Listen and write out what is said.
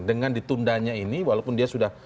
dengan ditundanya ini walaupun dia sudah